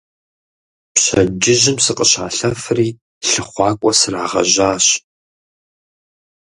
Пщэдджыжьым сыкъыщалъэфри лъыхъуакӀуэ срагъэжьащ.